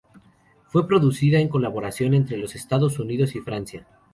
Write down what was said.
Fue producida en colaboración entre los Estados Unidos y Francia.